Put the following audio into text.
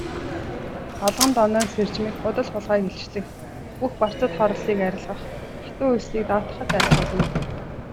Балгандонойн сэржмийг худал хулгайг илчлэх, бүх барцад хорлолыг арилгах, хатуу үйлсийг даатгахад айлтгуулна.